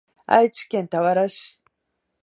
愛知県田原市